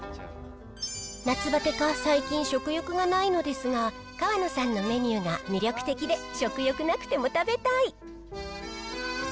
夏ばてか、最近食欲がないのですが、かわのさんのメニューが魅力的で、食欲なくても食べたい。